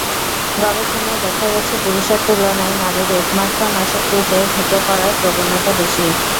গবেষণায় দেখা গেছে, পুরুষের তুলনায় নারীর স্মার্টফোনে আসক্তিতে ঝুঁকে পড়ার প্রবণতা বেশি।